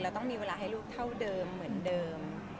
ต้องมีเวลาให้ลูกเท่าเดิมเหมือนเดิม